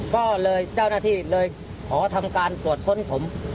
ก็เลยเจ้าหน้าที่เลยขอทำการตรวจค้นผม